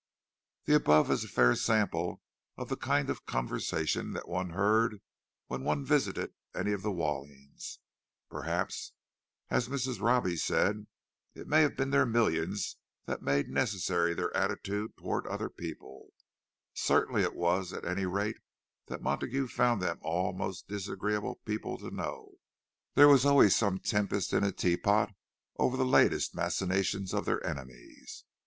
The above is a fair sample of the kind of conversation that one heard whenever one visited any of the Wallings. Perhaps, as Mrs. Robbie said, it may have been their millions that made necessary their attitude toward other people; certain it was, at any rate, that Montague found them all most disagreeable people to know. There was always some tempest in a teapot over the latest machinations of their enemies.